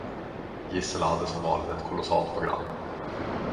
Gisela hade som vanligt ett kolossalt program.